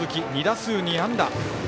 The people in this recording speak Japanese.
２打数２安打。